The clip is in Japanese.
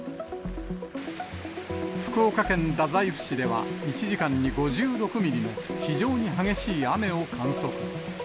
福岡県太宰府市では、１時間に５６ミリの非常に激しい雨を観測。